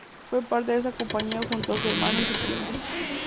Fue parte de esa compañía junto a su hermano y su primo.